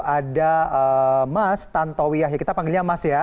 ada mas tantowi yahya kita panggilnya mas ya